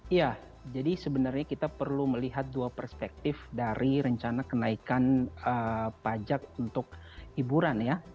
iya jadi sebenarnya kita perlu melihat dua perspektif dari rencana kenaikan pajak untuk hiburan ya